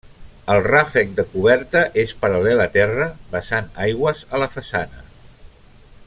El ràfec de coberta és paral·lel a terra, vessant aigües a la façana.